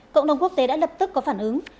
cộng đồng quốc tế đã lập tức có phản ứng